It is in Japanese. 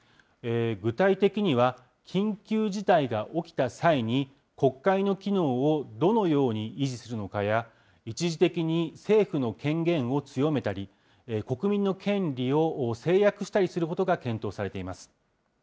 具体的には、緊急事態が起きた際に、国会の機能をどのように維持するのかや、一時的に政府の権限を強めたり、国民の権利を制約したりすることが検討されています。